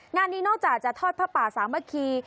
งานนี้นอกจากจะทอดผ้าป่าสามัคคี